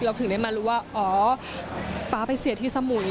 ถึงได้มารู้ว่าอ๋อป๊าไปเสียที่สมุย